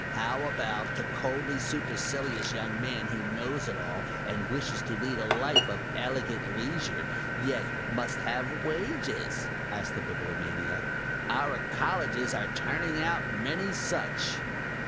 "How about the coldly supercilious young man who knows it all and wishes to lead a life of elegant leisure, yet must have wages?" asked the Bibliomaniac. "Our Colleges are turning out many such."